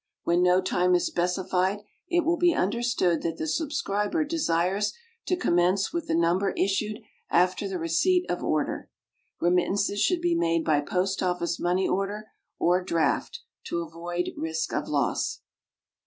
When no time is specified, it will be understood that the subscriber desires to commence with the Number issued after the receipt of order. Remittances should be made by POST OFFICE MONEY ORDER or DRAFT, to avoid risk of loss.